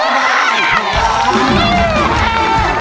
โปรดติดตามต่อไป